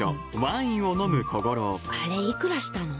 あれいくらしたの？